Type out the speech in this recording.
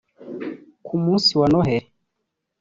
Ku munsi wa Noheli